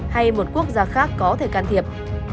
hay một quốc gia khác có thể can thiệp